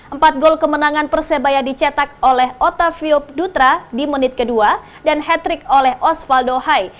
empat gol kemenangan persebaya dicetak oleh otaviop dutra di menit kedua dan hat trick oleh osvaldo hai